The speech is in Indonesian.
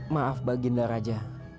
maaf baginda raja